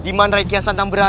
dimana rai kian santam berada